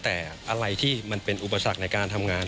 แต่อะไรที่มันเป็นอุปสรรคในการทำงาน